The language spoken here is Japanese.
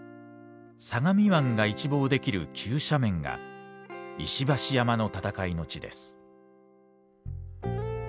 相模湾が一望できる急斜面が石橋山の戦いの地です。